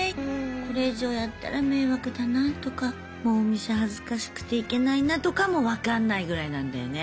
これ以上やったら迷惑だなとかもうお店恥ずかしくて行けないなとかも分かんないぐらいなんだよね。